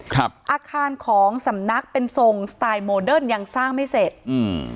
ครับอาคารของสำนักเป็นทรงสไตล์โมเดิร์นยังสร้างไม่เสร็จอืม